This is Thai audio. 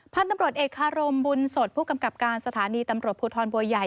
พตเคารมบุญสดผู้กำกับการสถานีตำรวจภูทรบัวยใหญ่